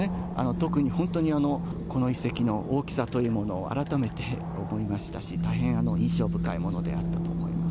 特に、本当にこの遺跡の大きさというものを改めて思いましたし、大変印象深いものであったと思います。